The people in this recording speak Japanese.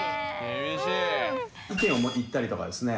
意見を言ったりとかですね